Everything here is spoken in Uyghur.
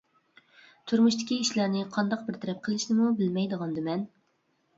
تۇرمۇشتىكى ئىشلارنى قانداق بىر تەرەپ قىلىشنىمۇ بىلمەيدىغاندىمەن.